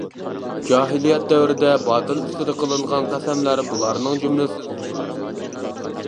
جاھىلىيەت دەۋرىدە باتىل ئۈستىدە قىلىنغان قەسەملەر بۇلارنىڭ جۈملىسىدىندۇر.